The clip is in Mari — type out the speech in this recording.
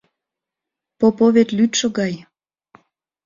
— Поповет лӱдшӧ гай...